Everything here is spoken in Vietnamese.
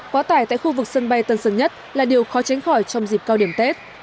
quá tải tại khu vực sân bay tân sơn nhất là điều khó tránh khỏi trong dịp cao điểm tết